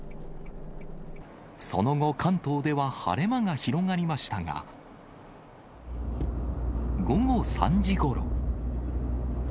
その後、関東では晴れ間が広がりましたが、午後３時ごろ。